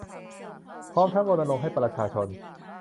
พร้อมทั้งรณรงค์ให้ประชาชน